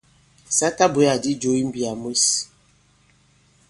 Sa ta bwě àdi jǒ i mbìyà mwes.